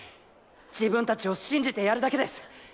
自分達を信じてやるだけです。